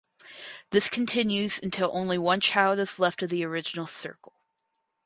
This continues until only one child is left of the original circle.